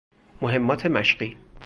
مهمات مشقی